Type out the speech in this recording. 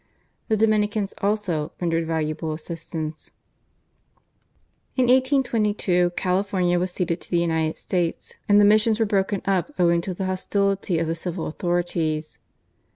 The Dominicans, also, rendered valuable assistance. In 1822 California was ceded to the United States, and the missions were broken up owing to the hostility of the civil authorities.